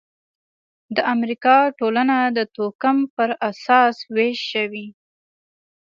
د امریکا ټولنه د توکم پر اساس وېش شوې.